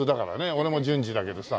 俺も純次だけどさ。